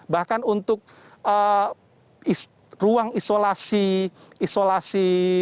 bahkan untuk ruang isolasi bahkan untuk ruang isolasi